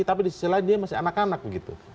tapi di sisi lain dia masih anak anak begitu